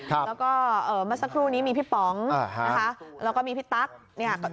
แล้วก็มาสักครู่นี้มีพี่ป๋องแล้วก็มีพี่ตั๊ก